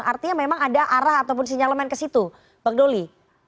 artinya memang ada arah ataupun sinyalemen ke situ bang doli